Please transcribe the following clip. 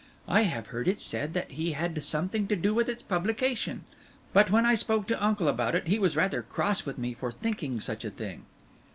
I have heard it said that he had something to do with its publication; but when I spoke to uncle about it, he was rather cross with me for thinking such a thing."